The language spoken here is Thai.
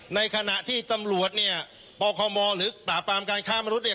ในขณะที่ตำรวจเนี่ยปคมหรือปราบปรามการค้ามนุษย์เนี่ย